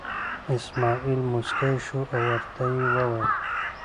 اسمعیل موسکی شو او ورته یې وویل.